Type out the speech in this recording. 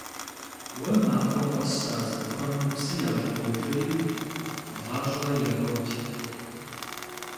Уэ махуэ къэс а цӀыкӀухэм псы ящӀыбокӀэри, гъащӀэ ябот.